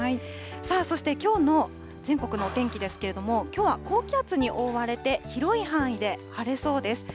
そしてきょうの全国のお天気ですけれども、きょうは高気圧に覆われて広い範囲で晴れそうです。